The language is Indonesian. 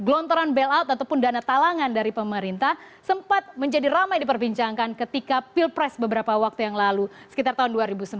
gelontoran bailout ataupun dana talangan dari pemerintah sempat menjadi ramai diperbincangkan ketika pilpres beberapa waktu yang lalu sekitar tahun dua ribu sembilan